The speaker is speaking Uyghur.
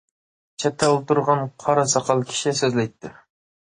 چەتتە ئولتۇرغان قارا ساقال كىشى سۆزلەيتتى.